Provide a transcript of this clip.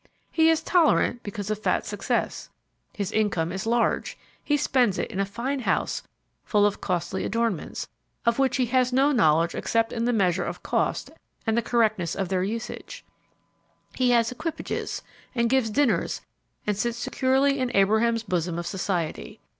He is tolerant because of fat success; his income is large, he spends it in a fine house, full of costly adornments, of which he has no knowledge except in the measure of cost and the correctness of their usage; he has equipages, and gives dinners and sits securely in Abraham's bosom of society.